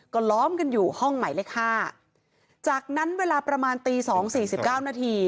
ก็ล้อมกันอยู่ห้องใหม่เลยค่ะจากนั้นเวลาประมาณตี๒๔๙น